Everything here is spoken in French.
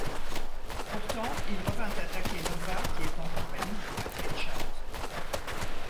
Pourtant, il revint attaquer Nova qui est en compagnie de Red Richards.